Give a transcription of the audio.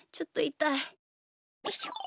よいしょ。